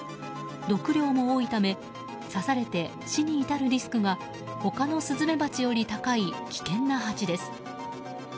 毒量も多いため刺されて死に至るリスクが他のスズメバチより高い危険なハチです。